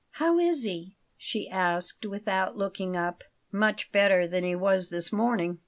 "How is he?" she asked without looking up. "Much better than he was this morning.